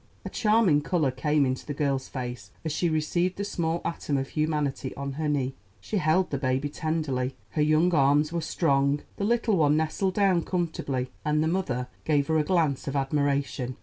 A charming color came into the girl's face as she received the small atom of humanity on her knee. She held the baby tenderly; her young arms were strong, the little one nestled down comfortably, and the mother gave her a glance of admiration.